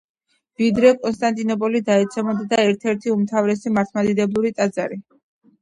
ვიდრე კონსტანტინოპოლი დაეცემოდა იყო ერთ-ერთი უმთავრესი მართლმადიდებლური ტაძარი.